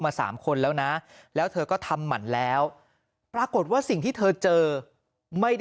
สามคนแล้วนะแล้วเธอก็ทำหมั่นแล้วปรากฏว่าสิ่งที่เธอเจอไม่ได้